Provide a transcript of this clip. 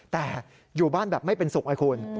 แต่อยู่บ้านแบบไม่เป็นสุขไอ้คุณ